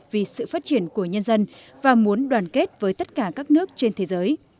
vì sự phát triển của nhân dân và muốn đoàn kết với tất cả các nước trên thế giới